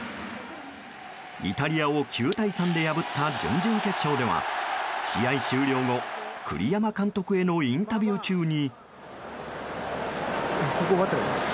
イタリアを９対３で破った準々決勝では試合終了後、栗山監督へのインタビュー中に。